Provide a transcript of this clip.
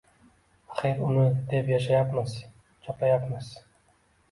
Axir uni deb yashayapmiz, chopayapmiz.